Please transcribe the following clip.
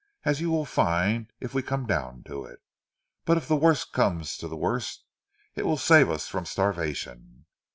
"As you will find if we come down to it. But if the worst comes to the worst it will save us from starvation."